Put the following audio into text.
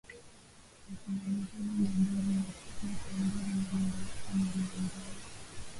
wa kumaliza mgogoro wa kisiasa ambao unaliandama